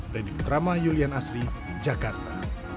dedy putrama yulian asri jakarta